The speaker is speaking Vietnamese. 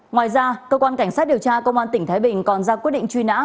ngoài ra cơ quan cảnh sát điều tra công an tỉnh thái bình còn ra quyết định truy nã